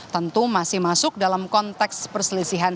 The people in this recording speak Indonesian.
tentu masih masuk dalam konteks perselisihan